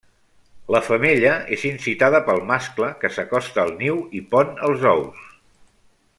La femella és incitada pel mascle que s'acosta al niu i pon els ous.